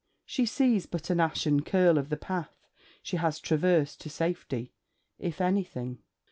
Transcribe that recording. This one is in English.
She sees but an ashen curl of the path she has traversed to safety, if anything.